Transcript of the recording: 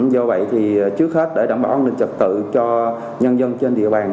do vậy thì trước hết để đảm bảo an ninh trật tự cho nhân dân trên địa bàn